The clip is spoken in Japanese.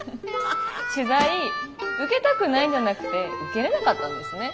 取材受けたくないんじゃなくて受けれなかったんですね。